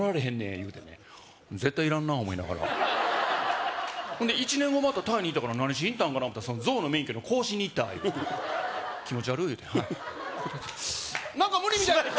いうてね絶対いらんな思いながら１年後またタイに行ったから何しにいったんかな思ったら象の免許の更新に行った「気持ちわるっ」いうてはいなんか無理みたいです